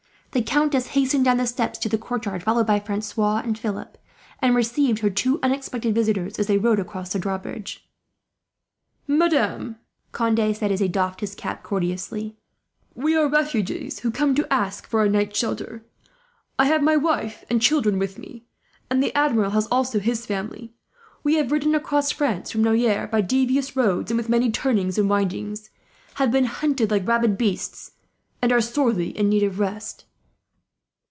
The countess hastened down the stairs to the courtyard, followed by Francois and Philip, and received her two unexpected visitors as they rode across the drawbridge. "Madame," Conde said, as he doffed his cap courteously, "we are fugitives, who come to ask for a night's shelter. I have my wife and children with me, and the Admiral has also his family. We have ridden across France, from Noyers, by devious roads and with many turnings and windings; have been hunted like rabid beasts, and are sorely in need of rest."